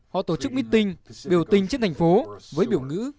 họ tổ chức mít tình biểu tình trên thành phố với biểu ngữ